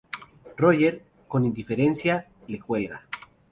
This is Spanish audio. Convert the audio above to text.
Roger, con indiferencia, le cuelga.